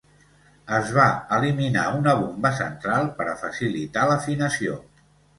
Es va eliminar una bomba central per a facilitar l'afinació.